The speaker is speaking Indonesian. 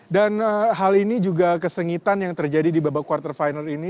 dan hal ini juga kesengitan yang terjadi di babak quarter final ini